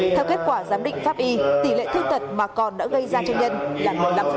theo kết quả giám định pháp y tỷ lệ thương tật mà còn đã gây ra cho nhân là một mươi năm